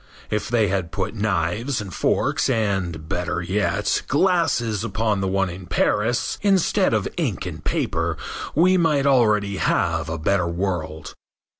If they had put knives and forks and, better yet, glasses upon the one in Paris, instead of ink and paper, we might already have a better world.